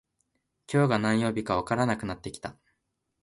今日が何曜日かわからなくなってきた